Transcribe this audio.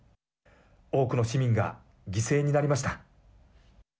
多くの市民が犠牲になりました。